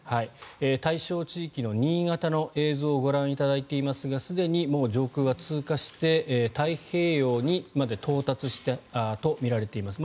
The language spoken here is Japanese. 対象地域の新潟の映像をご覧いただいていますがすでに上空は通過して太平洋にまで到達したとみられています。